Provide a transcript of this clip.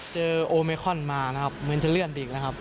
โอเมคอนมานะครับเหมือนจะเลื่อนอีกนะครับ